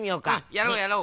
やろうやろう。